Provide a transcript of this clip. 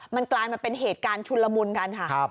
มันกลายมาเป็นเหตุการณ์ชุนละมุนกันค่ะ